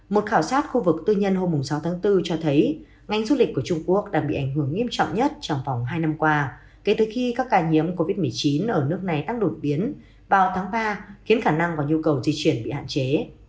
một khảo sát khu vực tư nhân hôm sáu tháng bốn cho thấy ngành du lịch của trung quốc đã bị ảnh hưởng nghiêm trọng nhất trong vòng hai năm qua kể từ khi các ca nhiễm covid một mươi chín ở nước này tăng đột biến vào tháng ba khiến khả năng và nhu cầu di chuyển bị hạn chế